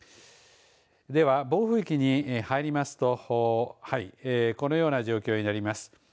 では、暴風域に入りますとはいこのような状況になります。